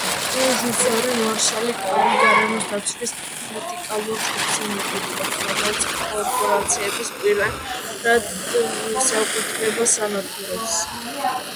რეჟისორი მარშალ კარი გარემოს დაცვის რადიკალურ ჯგუფზე მოგვითხრობს, რომელიც კორპორაციების პირად საკუთრებას ანადგურებს.